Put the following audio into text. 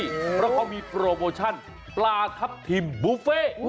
เพราะเขามีโปรโมชั่นปลาทับทิมบุฟเฟ่